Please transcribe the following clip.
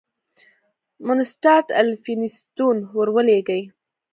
مونسټارټ الفینستون ور ولېږی.